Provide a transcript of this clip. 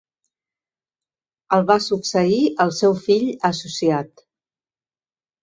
El va succeir el seu fill associat.